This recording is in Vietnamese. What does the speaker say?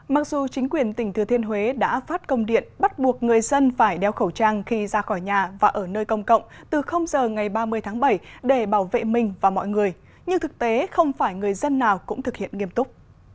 mặc dù chính quyền tỉnh thừa thiên huế đã phát công điện bắt buộc người dân phải đeo khẩu trang khi ra khỏi nhà và ở nơi công cộng từ giờ ngày ba mươi tháng bảy để bảo vệ mình và mọi người nhưng thực tế không phải người dân nào cũng thực hiện nghiêm túc